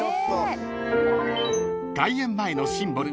［外苑前のシンボル